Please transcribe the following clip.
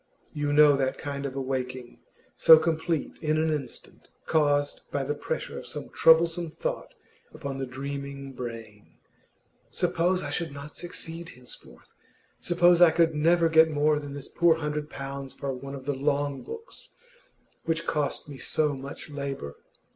You know that kind of awaking, so complete in an instant, caused by the pressure of some troublesome thought upon the dreaming brain. 'Suppose I should not succeed henceforth? Suppose I could never get more than this poor hundred pounds for one of the long books which cost me so much labour?